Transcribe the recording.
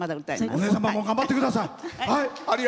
お姉様も頑張ってください。